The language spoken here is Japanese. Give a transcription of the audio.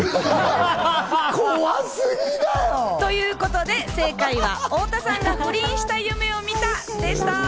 怖すぎだよ！ということで正解は太田さんが不倫した夢を見たでした。